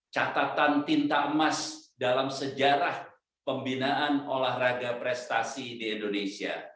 catatan tinta emas dalam sejarah pembinaan olahraga prestasi di indonesia